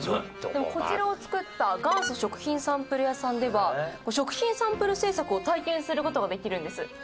こちらを作った元祖食品サンプル屋さんでは食品サンプル製作を体験する事ができるんです。